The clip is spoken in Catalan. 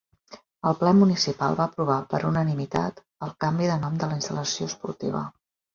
El ple municipal va aprovar, per unanimitat, el canvi de nom de la instal·lació esportiva.